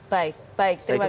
baik baik terima kasih